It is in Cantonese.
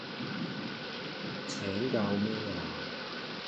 請教咩吖